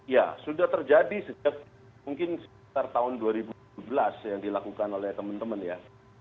ya sudah terjadi sejak mungkin sekitar tahun dua ribu tujuh belas yang dilakukan oleh teman teman ya